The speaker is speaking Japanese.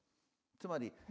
つまり。